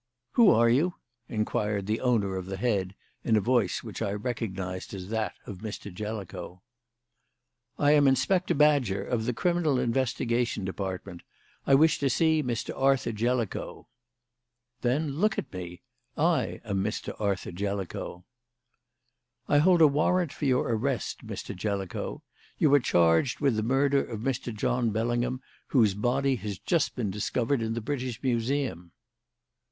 "Who are you?" inquired the owner of the head in a voice which I recognised as that of Mr. Jellicoe. "I am Inspector Badger, of the Criminal Investigation Department. I wish to see Mr. Arthur Jellicoe." "Then look at me. I am Mr. Arthur Jellicoe." "I hold a warrant for your arrest, Mr. Jellicoe. You are charged with the murder of Mr. John Bellingham, whose body has just been discovered in the British Museum."